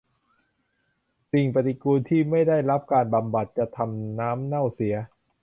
สิ่งปฏิกูลที่ไม่ได้รับการบำบัดจะทำน้ำเน่าเสีย